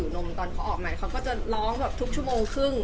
นอนไปนิดนึง